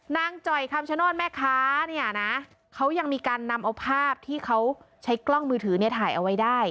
จ่อยคำชโนธแม่ค้าเนี่ยนะเขายังมีการนำเอาภาพที่เขาใช้กล้องมือถือเนี่ยถ่ายเอาไว้ได้